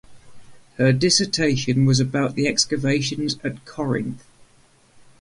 Her dissertation was about the excavations at Corinth.